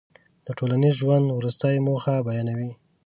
د ټولنیز ژوند وروستۍ موخه بیانوي.